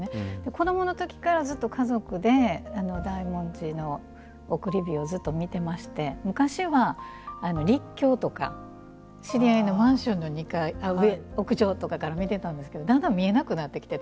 子どもの時から、ずっと家族で大文字の送り火を見てまして昔は陸橋とか知り合いのマンションの屋上とかから見てたんですけどだんだん、見えなくなってきて。